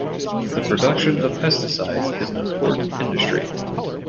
The production of pesticides is an important industry.